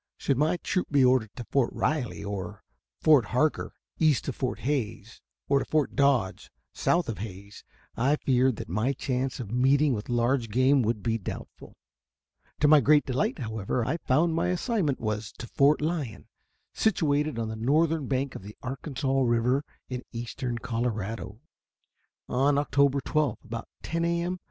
Should my troop be ordered to Fort Riley, or Fort Harker, east of Fort Hays, or to Fort Dodge, south of Hays, I feared that my chance of meeting with large game would be doubtful. To my great delight, however, I found that my assignment was to Fort Lyon, situated on the northern bank of the Arkansas River in eastern Colorado. On October 12 about 10 A. M.